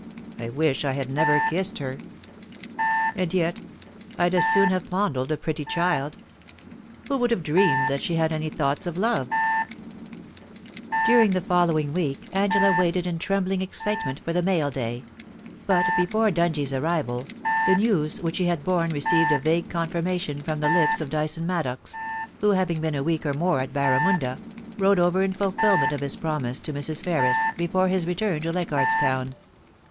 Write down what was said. I wish I had never kissed her. And yet I'd as soon have fondled a pretty child. Who would have dreamed that she had any thoughts of love ?* During the following week Angela waited in trembling excitement for the mail day, but before Dungie's arrival, the news which he had borne received a vague confirmation from the lips of Dyson Maddox, who, having been a week or more at Barramuda, rode over in fulfilment of his promise to Mrs. Ferris, before his return to Leichardt's Town.